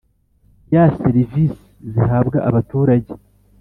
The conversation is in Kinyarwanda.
Ya serivisi zihabwa abaturage